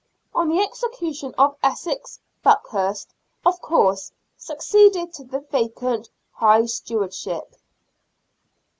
On the execution of Essex, Buckhurst, of course, succeeded to the vacant High Stewardship.